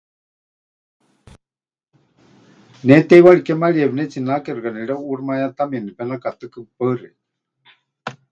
Ne teiwari kémarieya pɨnetsinake, xɨka nereuʼuuximayátamieni nepenakatɨkɨ. Paɨ xeikɨ́a.